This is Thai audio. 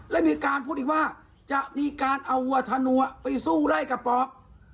และมีการพูดอีกว่าจะมีการเอาวัฒนัวไปสู้ไล่กระป๋อง